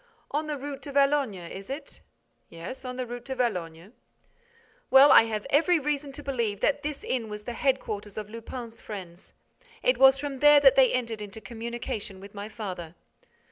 "On the Route de Valognes, is it?" "Yes, on the Route de Valognes." "Well, I have every reason to believe that this inn was the head quarters of Lupin's friends. It was from there that they entered into communication with my father."